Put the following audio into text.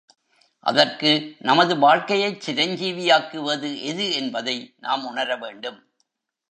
அதற்கு நமது வாழ்க்கையைச் சிரஞ்சீவியாக்குவது எது என்பதை நாம் உணர வேண்டும்.